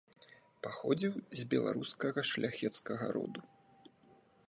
Паходзіў з беларускага шляхецкага роду.